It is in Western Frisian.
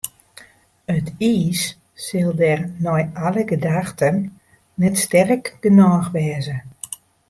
It iis sil dêr nei alle gedachten net sterk genôch wêze.